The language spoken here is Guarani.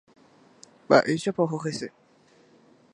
Mba'éichapa oho hese.